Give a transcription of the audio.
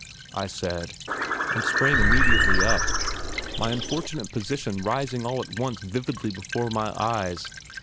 I said, and sprang immediately up, my unfortunate position rising all at once vividly before my eyes.